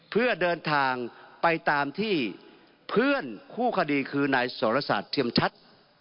เพื่อเดินทางไปตามที่เพื่อนคู่คดีคือนายสรศาสตร์เทียมชัด